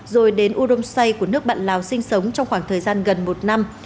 rồi đến udomsai của nước bạn lào sinh sống trong khoảng thời gian gần một năm